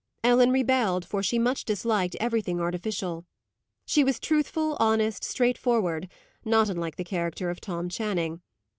Ellen rebelled, for she much disliked everything artificial. She was truthful, honest, straightforward; not unlike the character of Tom Channing.